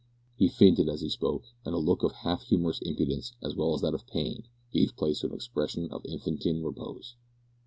He fainted as he spoke, and the look of half humorous impudence, as well as that of pain, gave place to an expression of infantine repose.